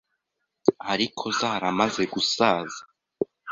ariko zaramaze gusaza.